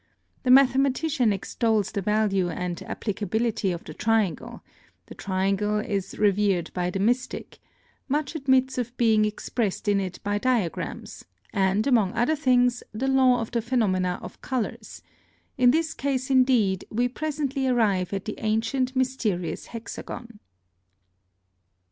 The mathematician extols the value and applicability of the triangle; the triangle is revered by the mystic; much admits of being expressed in it by diagrams, and, among other things, the law of the phenomena of colours; in this case, indeed, we presently arrive at the ancient mysterious hexagon.